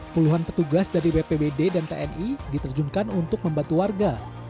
puluhan petugas dari bpbd dan tni diterjunkan untuk membantu warga